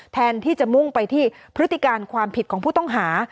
แทนที่จะมุ่งไปที่พฤติการความผิดของผู้ต้องหา